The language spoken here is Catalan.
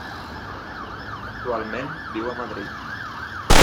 Actualment viu a Madrid.